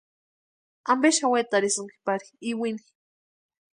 ¿Ampe xani wetarhisïnki pari iwini?